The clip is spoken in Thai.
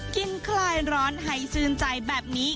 คลายร้อนให้ชื่นใจแบบนี้